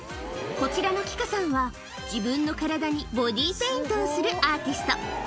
こちらのキカさんは、自分の体にボディーペイントをするアーティスト。